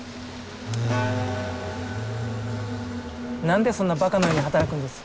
何でそんなバカのように働くんです？